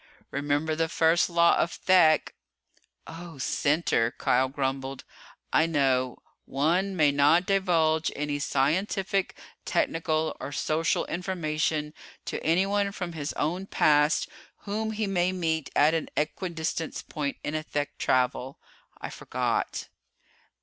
"Remember the First Law of Thek!" "Oh, Center," Kial grumbled. "I know: 'One may not divulge any scientific, technical or social information to anyone from his own past whom he may meet at an equidistant point in a Thek travel.' I forgot."